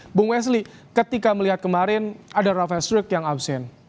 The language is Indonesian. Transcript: ibu wesley ketika melihat kemarin ada rafael struyck yang absen